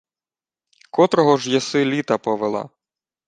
— Котрого ж єси літа повела?